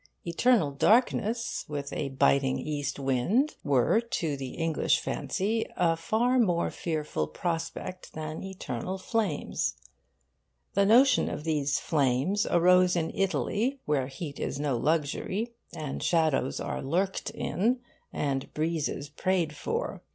Eternal darkness, with a biting east wind, were to the English fancy a far more fearful prospect than eternal flames. The notion of these flames arose in Italy, where heat is no luxury, and shadows are lurked in, and breezes prayed for.